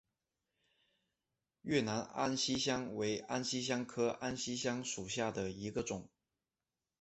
越南安息香为安息香科安息香属下的一个种。